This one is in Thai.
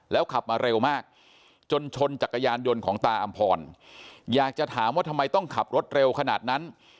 ขับมาเร็วมากจนชนจักรยานยนต์ของตาอำพรอยากจะถามว่าทำไมต้องขับรถเร็วขนาดนั้น